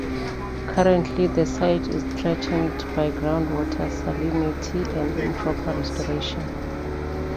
Currently the site is threatened by groundwater salinity and improper restoration.